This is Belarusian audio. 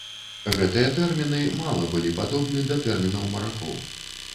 Гэтыя тэрміны мала былі падобны да тэрмінаў маракоў.